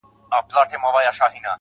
خو زه بيا داسي نه يم.